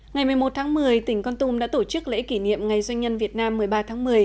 ngày một mươi một tháng một mươi tỉnh con tum đã tổ chức lễ kỷ niệm ngày doanh nhân việt nam một mươi ba tháng một mươi